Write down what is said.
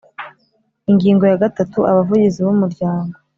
Ingingo ya gatatu abavugizi b umuryango